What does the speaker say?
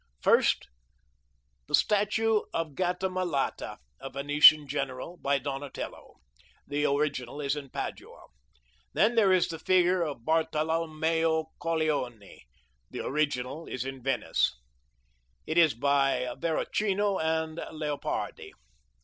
First, the statue of Gattamelata, a Venetian general, by Donatello. The original is in Padua. Then there is the figure of Bartolommeo Colleoni. The original is in Venice. It is by Verrocchio and Leopardi.